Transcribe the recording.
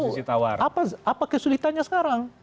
kenapa kesulitannya sekarang